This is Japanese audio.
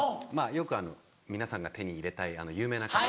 よく皆さんが手に入れたい有名なカバン。